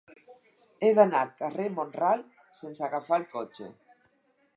He d'anar al carrer de Mont-ral sense agafar el cotxe.